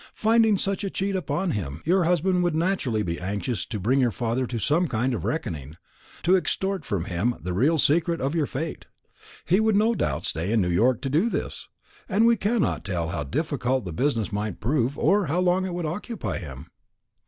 "Finding such a cheat put upon him, your husband would naturally be anxious to bring your father to some kind of reckoning, to extort from him the real secret of your fate. He would no doubt stay in New York to do this; and we cannot tell how difficult the business might prove, or how long it would occupy him."